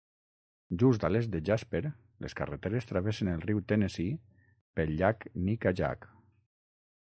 Just a l'est de Jasper, les carreteres travessen el riu Tennessee pel llac Nickajack.